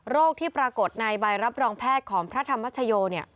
ที่ปรากฏในใบรับรองแพทย์ของพระธรรมชโย